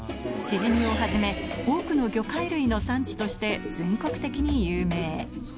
シジミをはじめ、多くの魚介類の産地として全国的に有名。